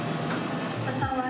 pesawat muda nabi